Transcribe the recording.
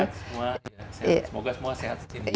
semoga semua sehat